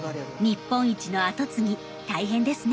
日本一の後継ぎ大変ですね。